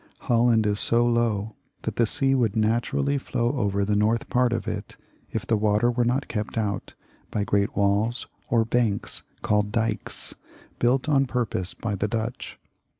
Holland is so low that the sea would naturally flow over the north part of it if the water were not kept out by great walls or banks called dykes, built on purpose by the Dutch.